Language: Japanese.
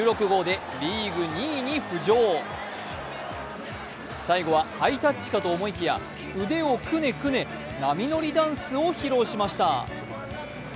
最後はハイタッチかと思いきや最後はハイタッチかと思いきや腕をくねくね、波乗りダンスを披露しました。